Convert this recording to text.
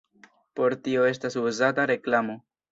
Por tio estas uzata reklamo.